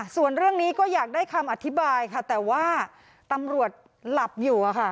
ส่วนเรื่องนี้ก็อยากได้คำอธิบายค่ะแต่ว่าตำรวจหลับอยู่อะค่ะ